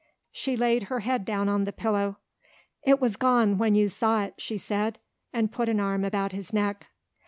She laid her head down on the pillow. "It was gone when you saw it," she said, and put an arm about his neck.